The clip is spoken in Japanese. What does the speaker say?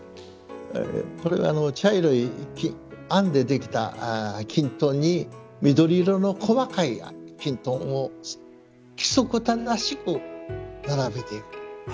これ茶色い餡でできたきんとんに緑色の細かいきんとんを規則正しく並べていく。